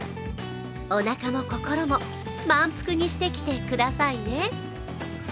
おなかも心も満腹にしてきてくださいね。